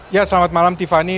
ya selamat malam tiffany